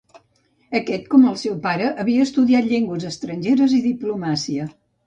Aquest, com el seu pare, havia estudiat llengües estrangeres i diplomàcia.